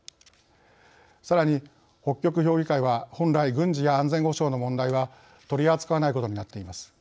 さらに北極評議会は本来軍事や安全保障の問題は取り扱わないことになっています。